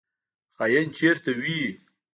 خاین چیرته وي؟